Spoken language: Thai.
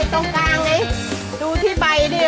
ตรงกลางนี่ดูที่ใบนี่